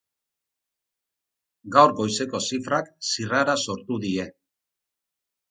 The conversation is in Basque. Gaur goizeko zifrak zirrara sortu die.